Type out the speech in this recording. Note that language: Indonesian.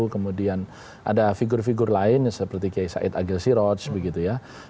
kemudian ada figur figur lain seperti kiai said agil siroj begitu ya